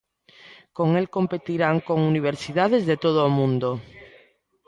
Con el competirán con universidades de todo o mundo.